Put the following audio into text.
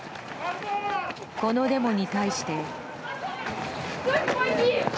このデモに対して。